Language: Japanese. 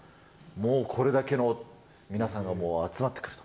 もうこれだけの皆さんが集まってくる。